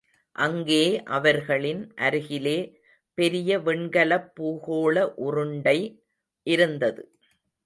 அங்கே அவர்களின் அருகிலே பெரிய வெண்கலப் பூகோள உருண்டை இருந்தது.